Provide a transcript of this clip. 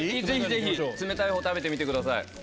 ぜひぜひ冷たいほう食べてみてください。